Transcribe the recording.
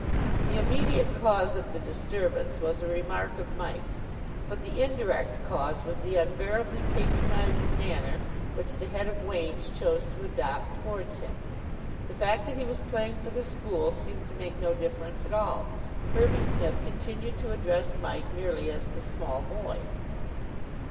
The immediate cause of the disturbance was a remark of Mike's, but the indirect cause was the unbearably patronising manner which the head of Wain's chose to adopt towards him. The fact that he was playing for the school seemed to make no difference at all. Firby Smith continued to address Mike merely as the small boy.